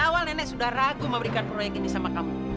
awal nenek sudah ragu memberikan proyek ini sama kamu